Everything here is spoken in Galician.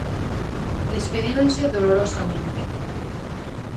Despedíronse dolorosamente.